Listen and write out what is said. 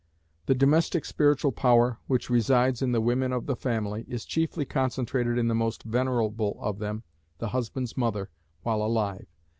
The domestic spiritual power, which resides in the women of the family, is chiefly concentrated in the most venerable of them, the husband's mother, while alive.